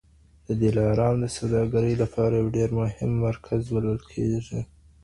دلارام د سوداګرۍ لپاره یو ډېر مهم مرکز بلل کېږي